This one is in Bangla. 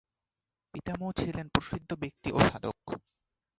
পিতামহ ছিলেন প্রসিদ্ধ ব্যক্তি ও সাধক।